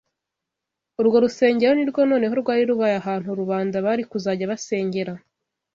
urwo rusengero ni rwo noneho rwari rubaye ahantu rubanda bari kuzajya basengera